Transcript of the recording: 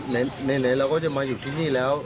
ไหนเราก็จะมาอยู่ที่นี่แล้ว